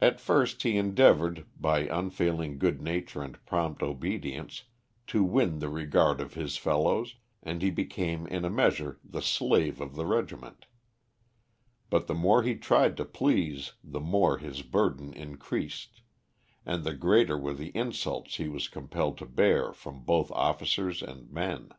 At first he endeavoured, by unfailing good nature and prompt obedience, to win the regard of his fellows, and he became in a measure the slave of the regiment; but the more he tried to please the more his burden increased, and the greater were the insults he was compelled to bear from both officers and men.